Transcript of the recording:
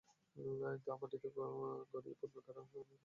তা মাটিতে গড়িয়ে পূর্বের কাটা অংশটির পাশ গিয়ে স্থির হল।